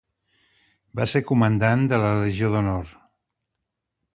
Va ser comandant de la Legió d'Honor.